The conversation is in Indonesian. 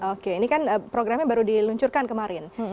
oke ini kan programnya baru diluncurkan kemarin